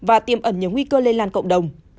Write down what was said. ẩn nhớ nguy cơ lây lan cộng đồng